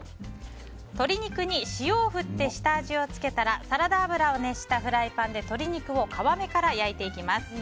鶏肉に塩を振って下味をつけたらサラダ油を熱したフライパンで鶏肉を皮目から焼いていきます。